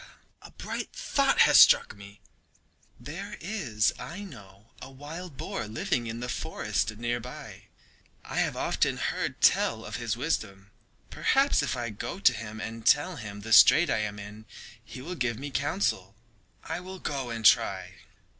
a bright thought has struck me! There is, I know, a wild boar living in the forest near by. I have often heard tell of his wisdom. Perhaps if I go to him and tell him the strait I am in he will give me his counsel. I will go and try."